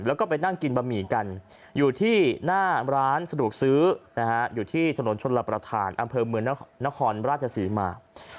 แล้วก็ไปนั่งกินบะหมี่กันอยู่ที่หน้าร้านสะดวกซื้ออยู่ที่ถนนชนรับประทานอำเภอเมืองนครราชศรีมา